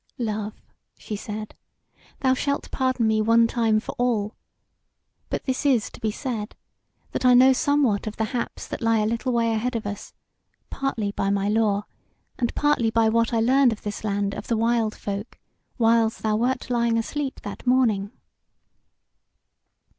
"Love," she said, "thou shalt pardon me one time for all. But this is to be said, that I know somewhat of the haps that lie a little way ahead of us; partly by my lore, and partly by what I learned of this land of the wild folk whiles thou wert lying asleep that morning."